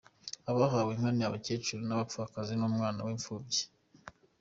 Abahawe inka ni abakecuru b’ababapfakazi n’umwana w’imfubyi.